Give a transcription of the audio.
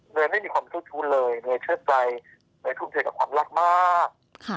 ไม่มีความเจ้าชู้เลยเนยเชื่อใจเนยทุ่มเทกับความรักมาก